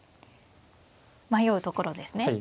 迷うところですね。